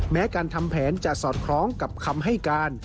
แม้การทำแผนจะสอดคล้องกับคำให้การ